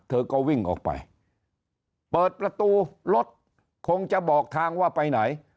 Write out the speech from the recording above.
เธอก็วิ่งออกไปเปิดประตูรถคงจะบอกทางว่าไปไหน